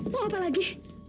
mau apa lagi